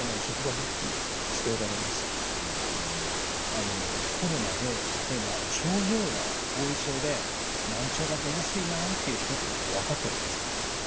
あのコロナで例えば症状や後遺症で難聴が出やすいなあっていう人っていうのは分かってるんですか？